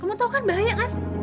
kamu tau kan bahaya kan